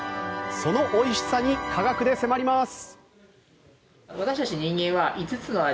そのおいしさに科学で迫ります。